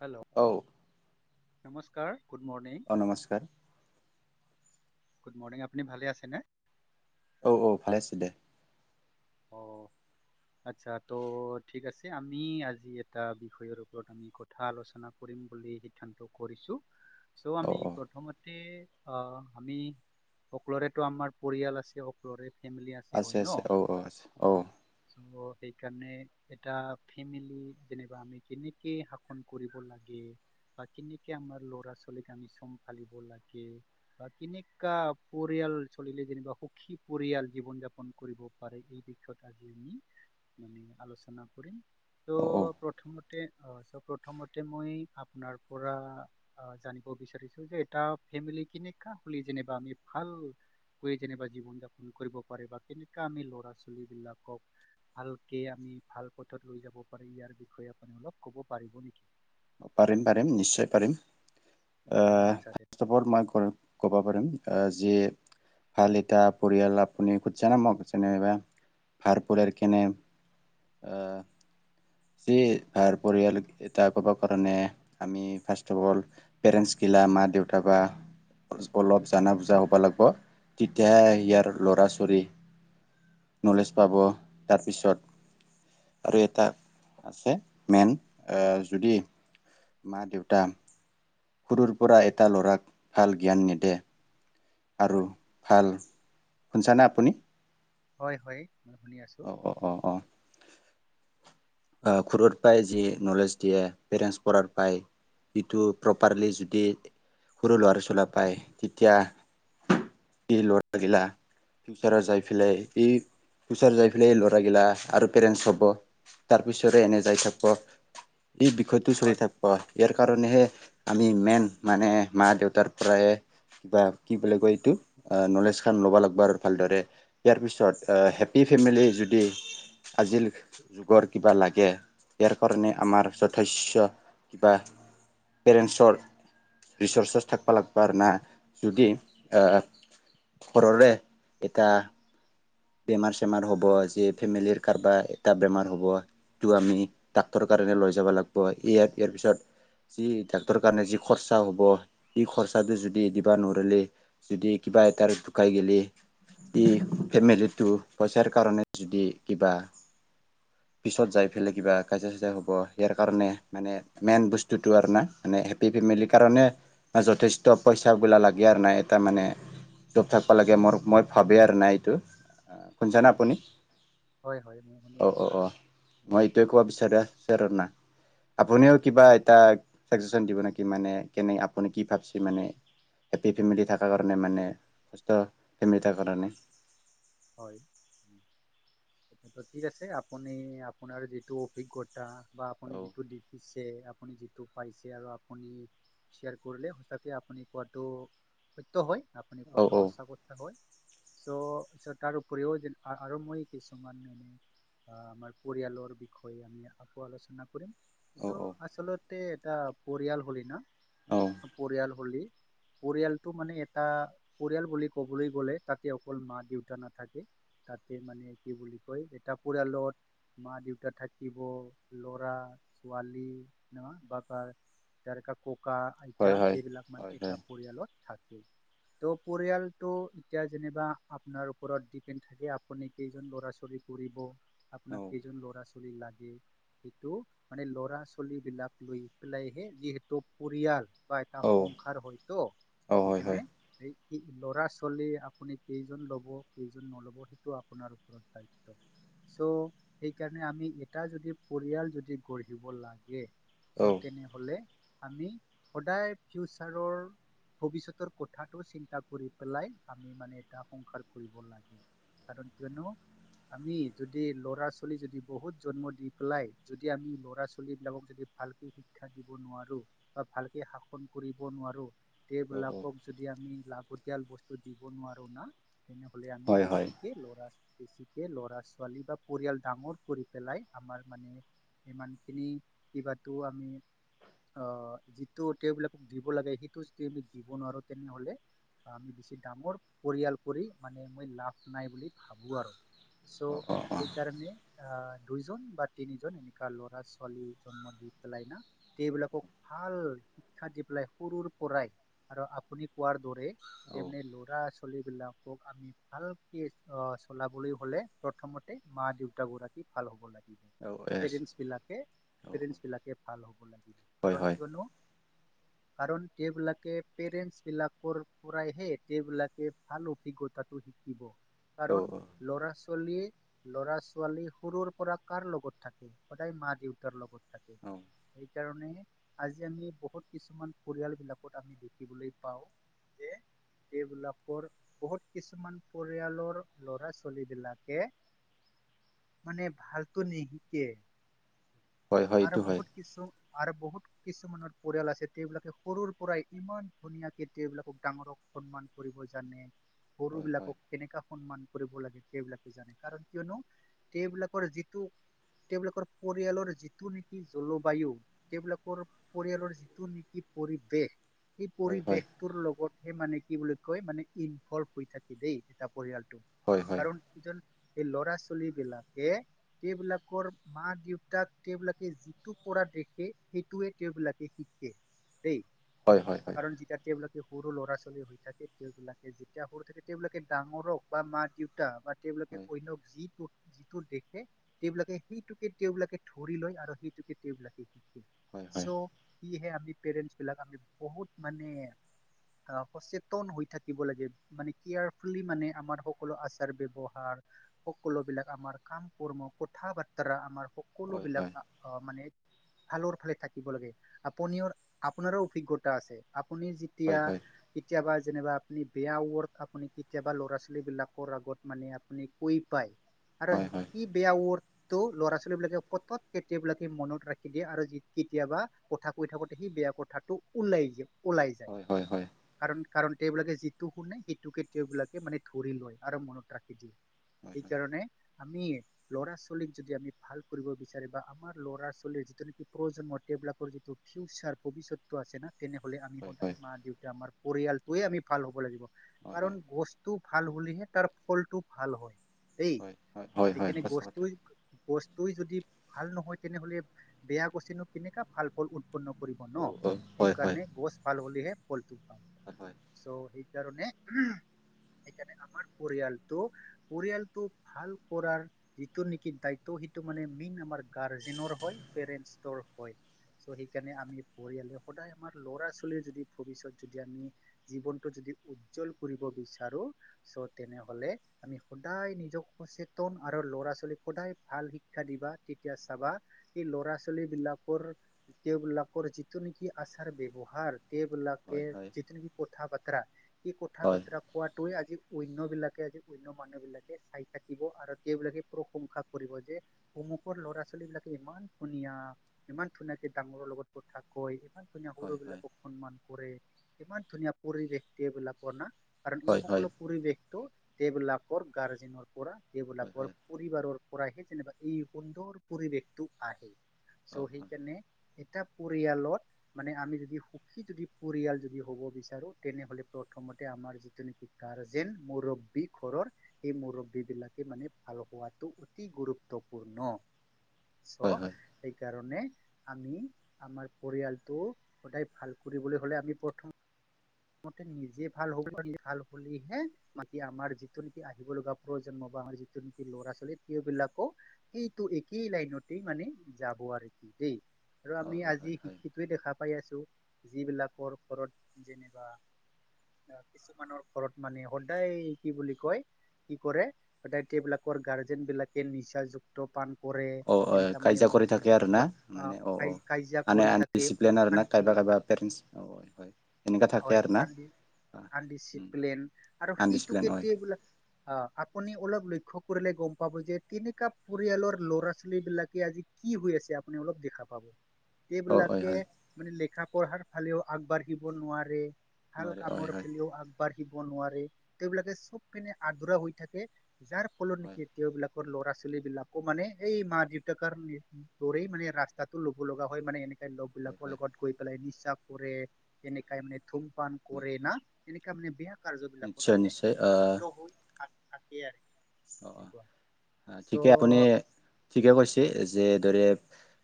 Hello অ নমস্কাৰ good morning অ নমস্কাৰ গুড মৰ্ণিং আপুনি ভালে আছেনে অ অ ভালে আছো দে অ আচ্ছা ত' ঠিক আছে আমি আজি এটা বিষয়ৰ ওপৰত আমি কথা আলোচনা কৰ ম বুলি সিদ্ধান্ত কৰিছো চ' আমি প্ৰথম অ আমি সকলোৰেতো আমাৰ পৰিয়াল আছে সকলোৰে ফেমিলি আছে হয় ন অ আ অঁ চ' সেইকাৰণে এটা ফেমিলি যেনিবা আমি কেনেকে শাসন কৰিব লাগে বা কেনেকে আমাৰ ল'ৰা ছোৱালীক আমি চম্ভালিব লাগে বা কেনেুৱা পৰি পৰিয়াল চলিলে যেনিবা সুখী পৰিয়াল জীৱন যাপন কৰিব এই বিষয়ত আজি আমি মান আলোচনা কৰিম ত' প্ৰথমতে অ চ প্ৰথমতে মই আপোনাৰ পৰা জানিব বিচাৰিছো যে এটা ফেমিলি কেনেককা হলে যেনা আমি ভালকৈ যেনা জীৱন যাপন কৰিব পাৰে বা কেনে আমি ল'ৰা ছোৱালী বিলাকক ভালকে আমি ভাল পথত লৈ যাব পাৰি ইয়াৰ বিষয়ে আপ অলপ কব পাৰিব নেকি পাৰিম পাৰিম নিশ্চয় পাৰিম অ আহ আচ্ছা দে ঠিক ফাৰ্ষ অ আছে অল মই ক'ব পাৰিম যিয়ে ভাল এটা পৰিয়াল আপুনি খুজছে নামক যেনবা ভাল পৰিয়াল কেনে আহ সেই ভা পৰিয়াল এটা কব কাৰণে আমি ফাৰ্ষ অফ অল পেৰেন্ট সা মা দেউতা বা অলপ জানা বুজা হ'ব লাগিব তেতিয়াহে ইয়াৰ লৰা ছোৱালী নলেজ পাব তাৰপিছত আৰু এটা আছে মেইন যদি মা দেউতা সৰুৰ পৰা এটা লৰাক ভাল জ্ঞান নিেদে আৰু হয় ভাল শুনিছানে আপুনি হয় হয় মই শুনি আছো অ অ অ অ আহ কুৰত পাই যি নলেজ দিয়ে পেৰেণ্টছ পঢ়াৰ পাই ইটো প্ৰপাৰলি যদি সৰু ল'ৰাৰা চলা পায় তেতিয়া কি লৰাগিলা ফিউচাৰত যাই পেলাই ই ফিউচাৰ যাই পেলাই ল'ৰাগিলা আৰু পেৰেণ্টছ হব তাৰ পিছৰে এনে যাই থাক এই বিষয়টো চলি হয় থাকিব ইয়াৰ কাৰণেহে আমি মেইন মানে মা দেউতাৰ পৰাই কিবা কি বুলি কয় এইটো। নলেজখন ল'ব লাগিব আৰু ভালদৰে ইয়াৰ পিছত হেপী ফেমিলি যদি। আজিৰ যুগৰ কিবা লাগে। ইয়াৰ কাৰণে আমাৰ যথেষ্ট কিবা পেৰেণ্ৰ। ৰিচৰ্চছ থাকবা লাগিবা আৰু না যদি। হয় শৰৰৰে এটা। বেমাৰ চেমাৰ হ'ব য ফেমিলিৰ কাৰোবাৰ এটা বেমাৰ হ'ব। তটো আমি ডাক্তৰৰ কাৰণে লৈ যাব লাগিব ইয় ইয়াৰ পিছত। যি ডাক্টৰৰ কাৰণে যি খৰচা হব এই খৰচাটো যদি দিবা নোৱাৰলেে যদিা। বাইটাৰ দুুকাই গেলে ত ফেমিলত। টো পইচাৰ কাৰণে যদি কিবা। পিছত যাই পেলাই কিবা কাজা চাজা হ'ব ইয়াৰ কাৰণে মানে মেইন বস্তুতো আৰু না। ম হেপ্পী ফেমিলি কাৰণে যথেষ্ট পইচাাবলা লাগে আৰু নাই এটা মানে। জপ থাকিব লাগে মোৰ মই ভাবেই আৰু নাই এইটো। শুনিছানে হয় হয় আপুনি হয় হয় মই শুনি অ' আছো অ' অ' মই এইটোৱে ক'ব বিচাৰে। বিচাৰো না আপুনিও কিবা হয় এটা চাজেচন দিব নেকি। কি মানে কেনে আপুনি কি ভাবছে মানে। হেপ্পী ফেমিলি থকাৰ কাৰণে মানে সুস্থ ফেমিলি থাৰ কাৰণে। হয়। ঠিক আছে আপুনি আপোনাৰ যিটো অভিজ্ঞতা। বা আপুনি যিটো দেখিছে। আপ যিটো পাইছে আৰু আপুনি শ্বেয়াৰ কৰিলে সচে আপুনি কোৱাটো। সত্য হয় আপুনি কোৱাটো সঁচা কথা হয় তত। তাৰ উপৰিও যে আৰু মই কিছুমান ন। আহ আমাৰ পৰিয়ালৰ বিষয়ে আমি আকৌ আলোচনা কৰিম। চ' আচলতে এটা পৰিয়াল হলি না পৰিয়াল হলি। পৰিয়ালটো মানে এটা পৰিয়াল বুলি ক'বলৈ গ'লে তাতে অকল মা দেউতা। ঘ নাথাকে তাতে মানে কি বুলি কয় এটা পৰিয়ালত। মা দেউতা থাকিব ল'ৰা ছোৱালী না বাপাৰ। তাৰকা ককা আইতা হয় হয় এইবিলাক মানে হয় এটা হয় পৰিয়ালত। থাক ত' পৰিয়ালটো এতিয়া যেনিবা আপোনাৰ। ওপৰতপে টিফিন থাকে আপুনি কেইজন ল'ৰা আপোনাক কেইজন ল'ৰা। লাগে সেইটো মানে ল'ৰা ছোৱালী বিলাক লৈ পেলাইহে যিহেতু পৰিয়াল। বা এটাৰ সংসাৰ হয়তো হয় সেইখনে হয় এই। কি ল'ৰা ছোৱালী আপুনি কেইজন ল'ব। কেইজন নল'ব সেইটো আপোনাৰ ওপৰত দায়িত্ব। চ' সেইকাৰণে আমি এটা যদি পৰিয়াল যদি গঢ়িব লাগে। চ' তেনে হ'লে আমি সদায় ফিউচাৰৰ। ভৱিষ্যতৰ কথাটো চিন্তা কৰি পেলাই আমি মানে এটা সংসাৰ। কৰিব লাগে কাৰণ কিয়নো। আমি যদি ল'ৰা ছোৱালী যদি বহুত জন্ম দি পেলাই যদি আমি ল'ৰা ছোৱালী বিলাকক যদি। ভালকে শিক্ষা দিব নোৱাৰো বা ভালকে শাসন কৰিব নোৱাৰো। সেইবিলাকক যদি আমি লাগতিয়াল বস্তু দিব নোৱাৰো না। তেনেহলে আমি হয় হয় বেছিকে ল'ৰা আ। বেছিকে ল'ৰা ছোৱালী বা পৰিয়াল ডাঙৰ কৰি পেলাই আমাৰ মানে। সিমানখিনি কিবাতো আমি। আহ যিটো তেওঁবিলাকক দিব লাগে সেইটো য আমি দিব নোৱাৰো তেনে হ'লে। আমি বেছি ডাঙৰ পৰিয়াল। ম মই লাভ নাই বুলি ভাবো আৰু চ অ অ সেইকাৰণে। দুইজন বা তিনিজন এনেকুৱা ল'ৰা ছোৱালী জন্ম দি পেলাই ন সেইবিলাকক ভাল। শিক্ষা দি পেলাই সৰুৰ পৰাই আৰু আপুনি কোৱাৰ দৰে। অ তেনে ল'ৰা চলি বিলাক ক আমি ভালকে অ চলাবলৈ হলে প্ৰথমতে মা দেউতা গৰাকী ভাল হ'ব লাগে। এছ পেৰেন্টচ বিাকে পেৰেন্ট বিলাকে ভাল হ'ব লাগিব হয় কাৰণ হয় কিয়নো। কাৰণ তেওঁবলাকে পেৰেন্টছ বিলাকৰ পৰাইহে তেওঁবিলাকে ভালো অভিজ্ঞতাটো শিকিব কাৰণ ল'ৰা চলি ল'ৰা ছোৱালী সৰুৰ পৰা কাৰ লগত থাকে, সদায় মা দেউতাৰ লগত থাকে্ সেইকাৰণে আজি আমি বহুত কিছুমান পৰিয়াল বিলাকত আমি দেখিবলৈ পাওঁ। যে তেওলাকৰ বহুত কিছুমান পৰিয়ালৰ ল'ৰা ছোৱালী বিলাকে। মানে ভালতো নিশিকে। হয় হয় আৰু এইটো হয় বহুত কিছু আৰু বহুত কিছুমানৰ পৰিয়াল আছে, তেওঁবিলাকে সৰুৰ পৰাই ইমান ধুনীয়াকে তেওঁবিলাকক ডাঙৰক সন্মান কৰে। কৰিব জানে, সৰু হয় হয় বিলাকক কেনেকা। সন্মান কৰিব লাগে তেওঁলোকে জানে, কাৰণ কিয়নো তেওঁলোকে যিটো তেওঁবিলাকৰ পৰিয়ালৰ যিটো নেকি জলবায়ু তেওঁবিলাকৰ পৰিয়ালৰ যিটো নেকি পৰিবেশ সেই হয় হয় পৰিৱেশটোৰ লগতহে মানে কি বুলি কয় মানে ইনভলভ হৈ থাকি দেই এটা পৰিয়াল হয় হয় হয় কাৰণ ইজন সেই ল'ৰা ছোৱালী বিলাকে তেওঁবিলাকৰ মা দেউতাক তেওঁবিলাকে যিটো পৰা দেখে সেইটোয়ে তেওঁবি লাকে শিকে দেই হয় হয় কাৰণ যেতিয়া তেওঁবিলাকে সৰু ল'ৰা ছোৱালী হৈ থাকে তেওঁবিলাক যেতিয়া সৰু থাকে তেওঁলোকে ডাঙৰক বা মা দেউতা বা তেওঁলোকে হয় অন্যক যিটো যিটো দেখুওৱা। তেওঁবিলাকে সেইটোকে তেওঁবলাকে ধৰি লয় আৰু সেইটোকে তেওঁবিলাকে হয়, হয়। সেইহে আমি পেৰেন্টচ বিলাক আমি বহুত মানে সচেতন হৈ থাকিব থ লাগে মানে কেয়াৰফুলি মানে আমাৰ সকলো আচাৰ ব্যৱহাৰ সকলো বিলাক আমাৰ কাম কৰ্ম কথা বাৰ্তৰা আমাৰ সকলো হয় হয় বিলাক মানে। ফালৰ ফালে থাকিব লাগে আপুনিও আপোনাৰো অভিজ্ঞতা আছে আপুনি যেতিয়া হয় হয় কেতিয়াবা যেনিবা আপুনি বেয়া ৱৰ্ক আপুনি কেতিয়াবা লৰা ছোৱালী বিলাকৰ আগত মানে আপুনি কৈ পায় আৰু হয় হয় সি বেয়া উৱৰড ত' ল'ৰা ছোৱালী বিলাকে পত কেতিয়াবিলাকে মনত ৰাখি দিয়ে আৰু কেতিয়াবা কথা কৈ থাকোতে সি বেয়া কথাটো ওলাই যায় হয় হয় হয় কাৰণ কাৰণ তেওঁবিলাকে যিটো শুনে সেইটো কেতিয় বিলাকে মানে ধৰি লয় আৰু মনত ৰাখি দিয়ে হয় সেইকাৰণে আমি ল'ৰা ছোৱালীক যদি আমি ভাল কৰিব বিচাৰ বা আমাৰ ল'ৰা ছোৱালীৰ যিটো নেকি প্ৰজন্মতে বি লাকৰ যি ফিউচাৰ ভৱিষতটো আছে ন তেনেহলে আমি হয় সদায় হয় হয় মা দেউতা আমাৰ পৰিয়ালটোয়ে আমি ভাল হ'ব লাগিব হয় কাৰণ বস্তু ভাল হলেহে তাৰ ফলটো ভাল হয় দেই হয় হয় হয় হয় হয় সেইকাৰণে সঁচা কথা গস তই যদি ভাল নহয় তেনেহলে বেয়া গছিনো কেনেকা ভাল ফল উ উৎপন্ন কৰিব অ ন অ হয় হয় এইকাৰণে যে। গছ ভাল হলেহে ফলটো হয় হয় চ সেইকাৰণে সেইকাৰণে আৰ পৰিয়ালটো পৰিয়ালটো ভাল কৰাৰ যিটো নেকি দায়িত্ব সেইটো মানে ম আমাৰ গাৰ্জেনৰৰ হয় পেৰেণ্টৰ হয় ত' সেইকাৰণে আমি পৰিয়ালে সদায় আমাৰ ল'ৰা ছোৱালীৰ যদি ভৱিষ্যত যদি আমি জীৱনটো যদি উজ্জ্বল কৰিব বিচাৰো চ তেনেহলে আমি সদায় নিজক সচেতন আৰু ল'ৰা ছোৱালীক সদায় ভাল শিক্ষা দিবা তেতিয়া চাবা সেই ল'ৰা ছোৱালী বিলাক তেওঁবিলাকৰ যিটো নেকি আচাৰ ব্যৱহাৰ তেওঁবিলাকে হয় হয় যিদৰে কথা বতৰা এই কঠাক হয় পত্ৰা ক ত আজি অনন্য বিলাকে আজি অনন্য মানুহ বিলাকে চাই থাকিব আৰু তেওঁবলাকে প্ৰশংসা কৰিব যে উমুকৰ ল'ৰা ছোৱালী বিলাকে ইমান ধুনীয়া ইমান ধুনীয়াকে ডাঙৰৰ লগত কথা কয় ইমান ধুনীয়া সৰু হয় হয় বিলাকক সন্মান কৰে ইমান ধুনীয়া পৰিবেশক্তিয় বিলাকৰ না। কাৰণ এই হয় হয় সকলো পৰিৱেশটো দেবলাকৰ গাৰ্জেনৰ পৰা। হয় যিবিলাকৰ হয় পৰিবাৰৰ পৰাহে যেনিবা এই সুন্দৰ পৰিৱেশটো আহে। চ অ সেই কেনে। এটা পৰিয়ালত মানে আমি যদি সুখী যদি পৰিয়াল যদি হ'ব। নেমাৰ যি ন মী ঘৰৰ স ম। মানে ভাল হোৱাটো অতি গুৰুত্বপূৰ্ণ। হয় হয় চ' হয় এইকাৰণে, আমি আমাৰ পৰিয়ালটো সদায় ভাল কৰিবলৈ হ'লে আমি প্ৰথম, নিজে ভাল হ'ব প ভাল হলেহে মাকি আমাৰ যিটো নেকি আহিব লগা প্ৰয়োন্ম। আমাৰ যিটো নেকি ল'ৰা ছোৱালী তেওঁবলাকো সেইটো একেই লাইনতেই মানে যাব আৰু কি। দেই আৰু অ আমি হয় হয় আজি হয় শিকিতোৱে দেখা পাই আছো যিবিলাকৰ ঘৰত যেনে। বা কিছুমানৰ ঘৰত মানে সদায় কি বুলি কয়। কি কৰেবলাকৰ গাৰ্জেন বিলাকে নিচাযুক্ত পান। কৰে, অ অ তেনেককা মানে কাজিয়া কৰি মদ থাকে আৰু বিলাক না ম'দ আহ মানে অ ক অ কাজিয়া মানে কৰি থাকে আনডিচিপ্লিন আৰ না অশান্তি। কাইবা হয়। এনেকা থাকে হয় আৰু না কান্দি -কান্দিছ, প্লেন আৰু সেইটো আনডিচিপ্লিন হয় কেটবিলাক। অ' আপুনি অলপ লক্ষ্য কৰিলে গম পাব যে তেনেককাা পৰিয়ালৰ ল'ৰা ছোৱালী বিলাকে আজি কি হৈ, আছে আপুনি অলপ দেখা পাব। অ হয় এইবিলাকে হয় মানে লেখা পঢ়াৰ ফালেও আগবাঢ়িব নোৱাৰে। ভাল নোৱাৰে হয় কামৰ হয় ফিলিও আগবাঢ়। দিব নোৱাৰে তেওঁবলাকে চব পিনে আধুৰা হৈ থাকে যাৰ ফলত হয় নেকি তেওঁবলাক। ল'ৰা ছোৱালী বিলাকো মানে এই মা দেউতাক দৰেই মানে ৰাস্তাটো ল'ব লগা হয় মানে এনে। লগ হয় বিলাকৰ হয় লগত গৈ পেলাই নিচা কৰে এনেকাই মানে ধুমপান কৰে না। এনেককা মানে বেয়া কাৰ্য্যবলাকত নিশ্চয় মানে নিশ্চয় লু্ত হৈ থাকে আৰু, এনেকুৱা অ'অ'ঠিকে আপুনি চ' ঠিকে কৈছে যে। দৰে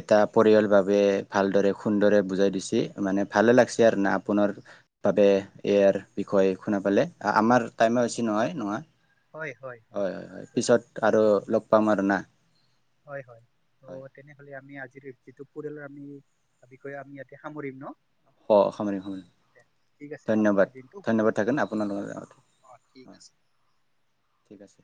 এটা পৰিয়াল বাবে ভালদৰে সুন্দৰে বুজাই দিছে মানে। ভালে লাগিছে হয় আৰু হয় না, আপোনাৰ বাবে ইয়াৰ বিষয়ে শুন পালে আমাৰ। টাইমে বেছি নহয় নহয় হয় হয় হয় পিছত আৰু লগ পাম আৰু না, হয় হয় হয় ত' তেনেহলে আমি আজিৰ। যিটো পৰিয়ালৰ আমি বিষয়ে আমি ইয়াতে সামৰিম ন? অ সামৰিক ঠিক স আছে আপোনাৰ ধন্যবাদ ধন্যবাদ থাকন আপোনাল। অঁ ঠিক আছে। ঠিক আছে।